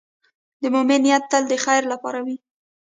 د مؤمن نیت تل د خیر لپاره وي.